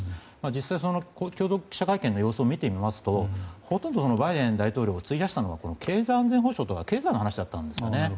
実際、共同記者会見の様子を見ているとほとんどバイデン大統領が費やしたのは経済安全保障とか経済の話だったんですね。